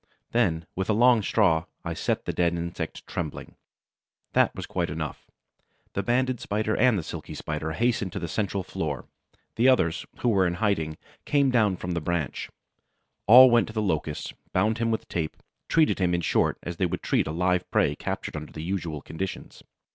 Then, with a long straw, I set the dead insect trembling. That was quite enough. The Banded Spider and the Silky Spider hastened to the central floor, the others, who were in hiding, came down from the branch; all went to the Locust, bound him with tape, treated him, in short, as they would treat a live prey captured under the usual conditions.